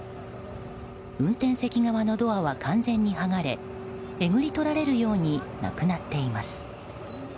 運転席側のドアは完全に剥がれえぐり取られるようになくなっています。